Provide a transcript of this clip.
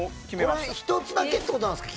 １つだけってことなんですか？